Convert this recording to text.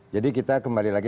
jadi kita kembali lagi